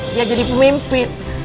dia jadi pemimpin